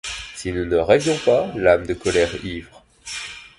Si nous ne rêvions pas, l'âme de colère ivre